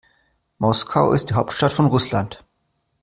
Moskau ist die Hauptstadt von Russland.